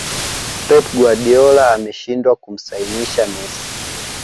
pep guardiola ameshindwa kumsainisha messi